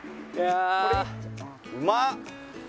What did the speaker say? うまっ！